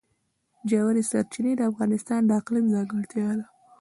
ژورې سرچینې د افغانستان د اقلیم ځانګړتیا ده.